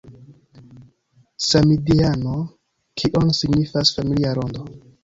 Samideano, kion signifas familia rondo